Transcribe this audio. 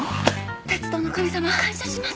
鉄道の神様感謝します！